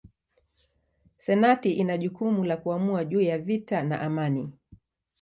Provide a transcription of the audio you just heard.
Senati ina jukumu la kuamua juu ya vita na amani.